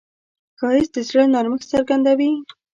ښایست د زړه نرمښت څرګندوي